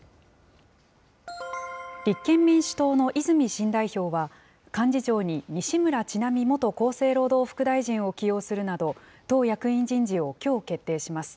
立憲民主党の泉新代表は、幹事長に西村智奈美元厚生労働副大臣を起用するなど、党役員人事をきょう決定します。